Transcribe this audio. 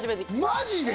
マジで！？